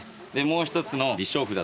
もう一つの。